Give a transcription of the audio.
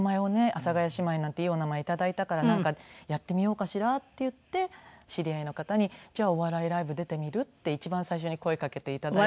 阿佐ヶ谷姉妹なんていいお名前頂いたからなんかやってみようかしらっていって知り合いの方に「じゃあお笑いライブ出てみる？」って一番最初に声かけて頂いて。